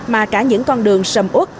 mà cả những con đường sầm út